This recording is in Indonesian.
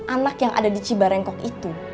anak yang ada di cibarengkok itu